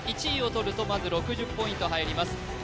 １位をとるとまず６０ポイント入ります